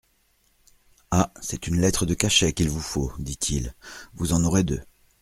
Ah ! c'est une lettre de cachet qu'il vous faut ! dit-il, vous en aurez deux.